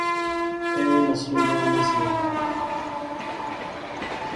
ایویں نسنے دوڑنے سے